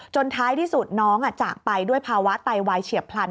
ท้ายที่สุดน้องจากไปด้วยภาวะไตวายเฉียบพลัน